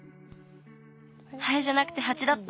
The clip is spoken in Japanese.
ハエじゃなくてハチだった。